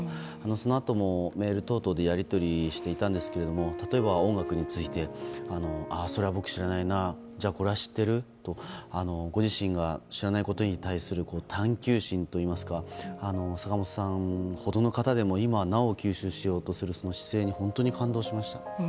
そのあともメール等々でやり取りしていたんですが例えば、音楽についてああ、それは僕知らないなじゃあ、これは知ってる？とご自身が知らないことに対する探求心といいますか坂本さんほどの方でも今なお吸収しようというその姿勢に本当に感動しました。